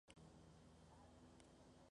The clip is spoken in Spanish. Se usan en grandes diámetros.